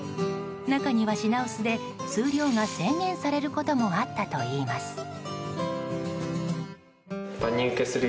中には品薄で数量が制限されることもあったといいます。